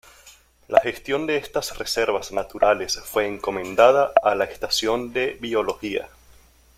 La gestión de estas reservas naturales fue encomendada a la estación de biología.